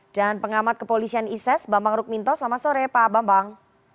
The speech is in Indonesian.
dan pengamat kepolisian isis bambang rukminto selamat sore pak bambang